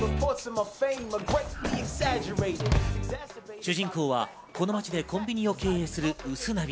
主人公はこの街でコンビニを経営するウスナビ。